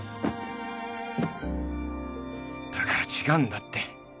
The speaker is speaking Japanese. だから違うんだって！